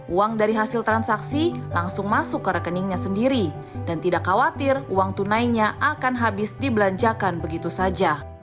uang dari hasil transaksi langsung masuk ke rekeningnya sendiri dan tidak khawatir uang tunainya akan habis dibelanjakan begitu saja